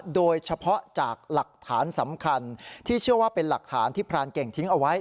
โดยเฉพาะจากหลักฐานสำคัญที่เชื่อว่าเป็นหลักฐานที่พรานเก่งทิ้งเอาไว้